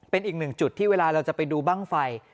เป็นอีกหนึ่งจุดที่เวลาเราจะไปดูบ้างไฟ